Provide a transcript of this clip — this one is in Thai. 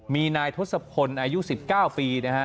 มีนายทศพลอายุ๑๙ปีนะฮะ